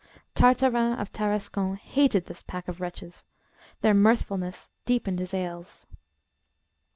Tartarin of Tarascon hated this pack of wretches; their mirthfulness deepened his ails.